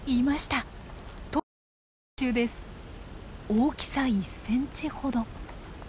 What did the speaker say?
大きさ１ｃｍほど。